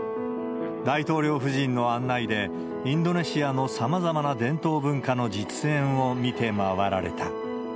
大統領夫人の案内で、インドネシアのさまざまな伝統文化の実演を見て回られた。